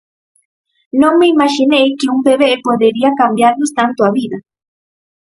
Non me imaxinei que un bebé podería cambiarnos tanto a vida.